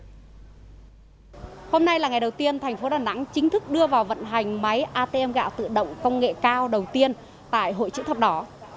hôm nay là ngày đầu tiên thành phố đà nẵng chính thức đưa vào vận hành máy atm gạo tự động công nghệ cao đầu tiên tại hội chữ thập đỏ